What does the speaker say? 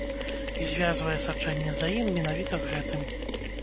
І звязвае сачэнне за ім менавіта з гэтым.